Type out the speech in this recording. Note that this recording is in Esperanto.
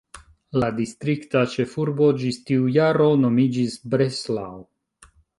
La distrikta ĉefurbo ĝis tiu jaro nomiĝis "Breslau".